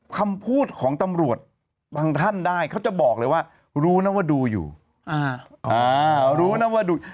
คำพูดของตำรวจบางท่านได้เขาจะบอกเลยว่ารู้นะว่าดูอยู่อ่าอ่ารู้นะว่าดู